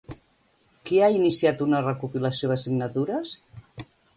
Qui ha iniciat una recopilació de signatures?